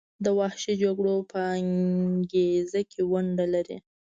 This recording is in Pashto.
د وحشي جګړو په انګیزه کې ونډه لري.